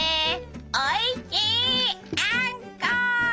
おいしいあんこ！